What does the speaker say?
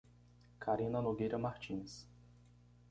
Carina Nogueira Martins